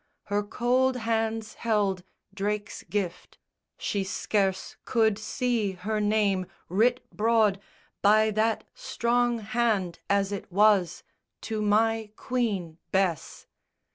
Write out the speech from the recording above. Her cold hands held Drake's gift. She scarce could see her name, writ broad By that strong hand as it was, To my queen Bess.